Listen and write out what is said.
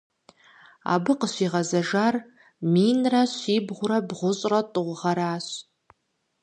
Абы къыщигъэзэжар минрэ щибгъурэ бгъущӀрэ тӀу гъэращ.